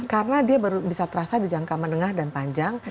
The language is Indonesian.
karena dia baru bisa terasa di jangka menengah dan panjang